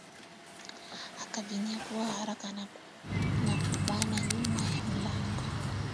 Akavinyakua haraka na kubana nyuma ya mlango